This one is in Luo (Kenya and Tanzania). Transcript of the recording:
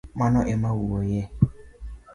Mano emawuoye